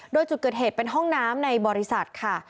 โดยจุดเกิดเหตุเป็นห้องน้ำในบริษัทค่ะ